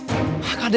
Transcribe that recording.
kalau kamu suka kdrt